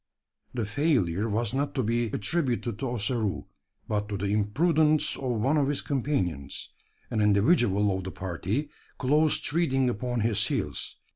The failure was not to be attributed to Ossaroo; but to the imprudence of one of his companions an individual of the party close treading upon his heels.